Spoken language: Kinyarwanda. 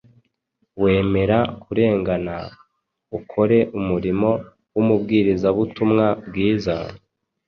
wemere kurengana, ukore umurimo w’umubwirizabutumwa bwiza,